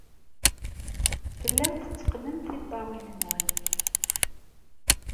Tellam tetteqqnem tiṭṭawin-nwen.